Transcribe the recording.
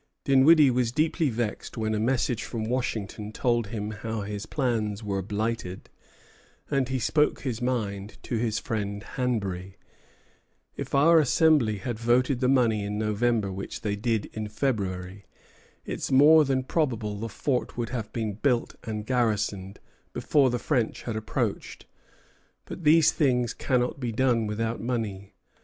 Dinwiddie was deeply vexed when a message from Washington told him how his plans were blighted; and he spoke his mind to his friend Hanbury: "If our Assembly had voted the money in November which they did in February, it's more than probable the fort would have been built and garrisoned before the French had approached; but these things cannot be done without money.